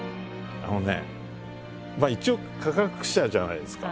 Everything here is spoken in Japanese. あのねまあ一応科学者じゃないですか。